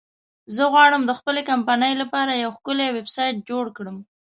زه غواړم د خپلې کمپنی لپاره یو ښکلی ویبسایټ جوړ کړم